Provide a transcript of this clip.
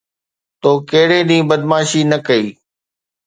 تو ڪھڙي ڏينھن بدمعاشي نه ڪئي؟